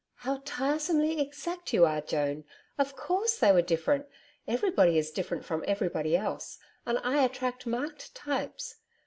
'How tiresomely exact you are, Joan! Of course, they were different. Everybody is different from everybody else. And I attract marked types.